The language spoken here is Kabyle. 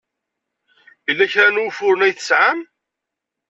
Yella kra n wufuren ay tesɛam?